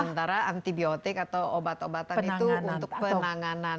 sementara antibiotik atau obat obatan itu untuk penanganan